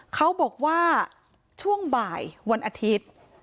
เขาบอกว่าช่วงบ่ายวันอาทิตย์